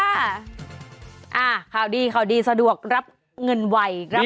อ้าาขอดีสะดวกรับเงินไวรับได้